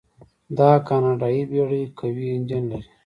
دا کاناډایي بیړۍ قوي انجن لري.